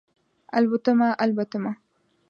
الوتمه، الوتمه